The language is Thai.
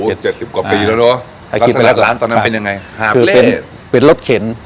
เจ็ดสิบกว่าปีแล้วดูลักษณะร้านตอนนั้นเป็นยังไงหาเบลต์คือเป็นเป็นรถเข็น